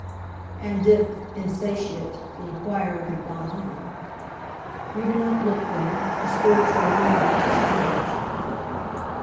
And if, insatiate, the enquirer had gone on, "You do not look, then, for spiritual union in this marriage?"